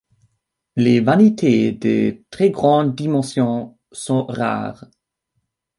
Les vanités de très grande dimension sont rares.